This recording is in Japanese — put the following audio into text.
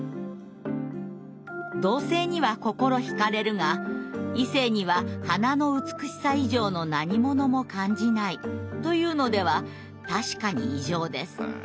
「同性には心ひかれるが異性には花の美しさ以上の何ものも感じないというのではたしかに異常です。